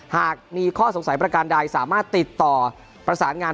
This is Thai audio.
หากมีข้อสงสัยประการใดสามารถติดต่อประสานงาน